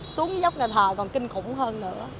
xuống dốc nhà thờ còn kinh khủng hơn nữa